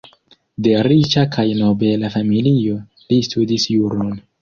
De riĉa kaj nobela familio, li studis juron.